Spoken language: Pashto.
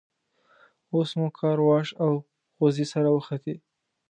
اوس مو کار واښ او غوزی سره وختی.